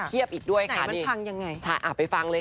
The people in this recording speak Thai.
เทียบอิดด้วยค่ะนี่ใช่ไปฟังเลยค่ะไหนมันฟังอย่างไร